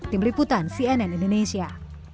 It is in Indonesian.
tim liputan cnn indonesia